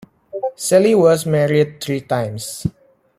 Celi was married three times.